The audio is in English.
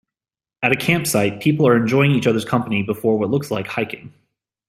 At a campsite people are enjoying each others company before what looks like hiking